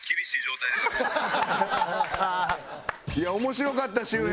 いや面白かった周平。